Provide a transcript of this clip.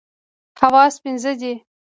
حواس پنځه دي.